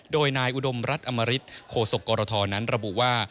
โดยนายอุดมรัฐอมริตโฆษกรทนั้นระบุว่า